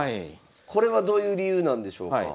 これはどういう理由なんでしょうか？